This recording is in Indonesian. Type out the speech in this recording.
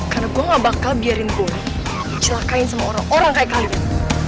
karena gua gak bakal biarin gue celakain sama orang orang kayak kalian